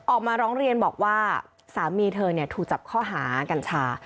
ออกมาร้องเรียนบอกว่าสามีเธอถูกจับข้อหากัญชา